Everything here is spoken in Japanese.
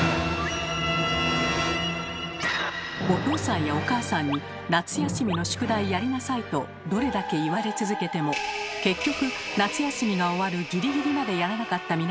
お父さんやお母さんに「夏休みの宿題やりなさい」とどれだけ言われ続けても結局夏休みが終わるギリギリまでやらなかった皆さん。